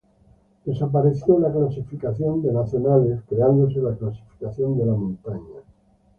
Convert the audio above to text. Desapareció la clasificación de nacionales creándose la clasificación de la montaña.